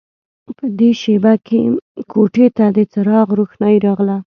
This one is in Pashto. په دې شېبه کې کوټې ته د څراغ روښنايي راغله